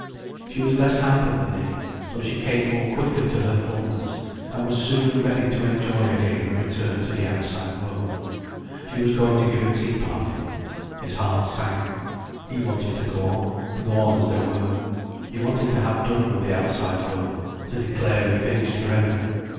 She was less hampered than he, so she came more quickly to her fulness, and was sooner ready to enjoy again a return to the outside world. She was going to give a tea party. His heart sank. He wanted to go on, to go on as they were. He wanted to have done with the outside world, to declare it finished for ever.